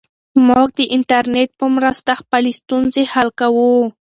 موږ د انټرنیټ په مرسته خپلې ستونزې حل کوو.